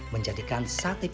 menjadi terasa yang sangat menarik